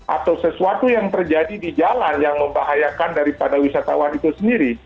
atau sesuatu yang terjadi di jalan yang membahayakan daripada wisatawan itu sendiri